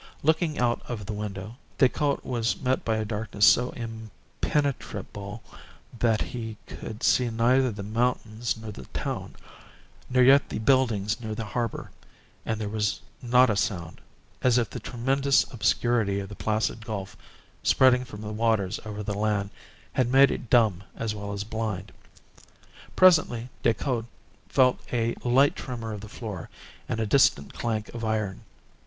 Looking out of the window, Decoud was met by a darkness so impenetrable that he could see neither the mountains nor the town, nor yet the buildings near the harbour; and there was not a sound, as if the tremendous obscurity of the Placid Gulf, spreading from the waters over the land, had made it dumb as well as blind. Presently Decoud felt a light tremor of the floor and a distant clank of iron.